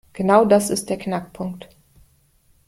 Genau das ist der Knackpunkt.